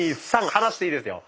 離していいですよ。